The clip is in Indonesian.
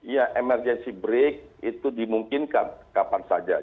ya emergency break itu dimungkinkan kapan saja